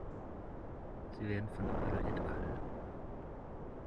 Sie werden von Adl et al.